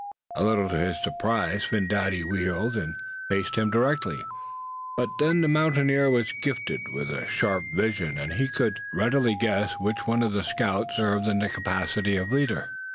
A little to his surprise Phin Dady wheeled, and faced him directly. But then the mountaineer was gifted with a sharp vision, and he could readily guess which one of the scouts served in the capacity of leader.